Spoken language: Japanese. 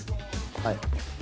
はい。